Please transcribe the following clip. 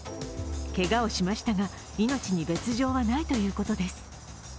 けがをしましたが、命に別状はないということです。